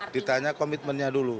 ditanya komitmennya dulu